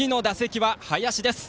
次の打席は林です。